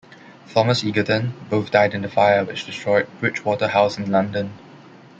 Thomas Egerton, both died in the fire which destroyed Bridgewater House in London.